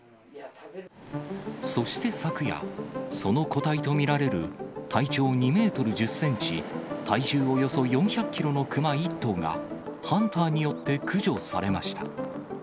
そして昨夜、その個体と見られる体長２メートル１０センチ、体重およそ４００キロのクマ１頭が、ハンターによって駆除されました。